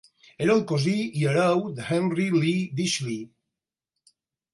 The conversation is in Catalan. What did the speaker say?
Era el cosí i hereu de Henry Lee de Ditchley.